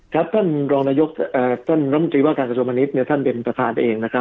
ครับท่านรองนายกท่านร่ำจริวะการกระชุมพาณิชย์ท่านเป็นประธานเองนะครับ